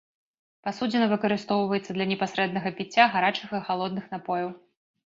Пасудзіна выкарыстоўваецца для непасрэднага піцця гарачых і халодных напояў.